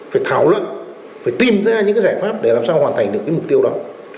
phải thảo luận phải tìm ra những cái giải pháp để làm sao hoàn thành được cái mục tiêu đó